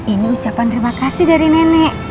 ini ucapan terima kasih dari nenek